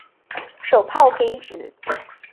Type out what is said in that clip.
手炮可以指